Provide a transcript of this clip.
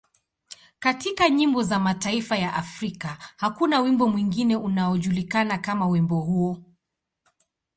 Katika nyimbo za mataifa ya Afrika, hakuna wimbo mwingine unaojulikana kama wimbo huo.